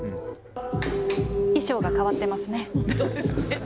衣装が変わってますね。